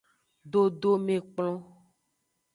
Dodomekplon.